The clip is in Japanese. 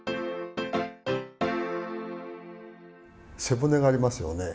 背骨がありますよね。